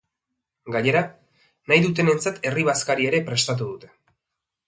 Gainera, nahi dutenentzat herri-bazkaria ere prestatu dute.